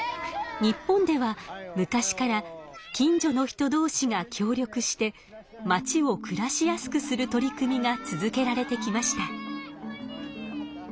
日本では昔から近所の人どうしが協力してまちをくらしやすくする取り組みが続けられてきました。